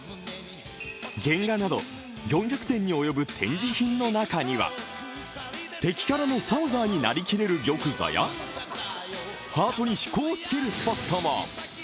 原画など４００点に及ぶ展示品の中には的キャラのサウザーになりきれる玉座やハートに秘孔を突けるスポットも。